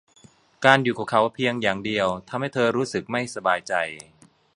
การอยู่กับเขาเพียงอย่างเดียวทำให้เธอรู้สึกไม่สบายใจ